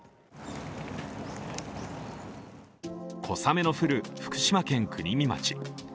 小雨の降る福島県国見町。